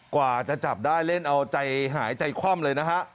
กว่าจะจับได้เล่นเอาใจหายใจคว่ำเลยนะฮะ